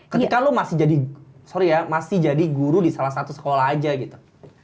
ketika lo masih jadi guru di salah satu sekolah aja gitu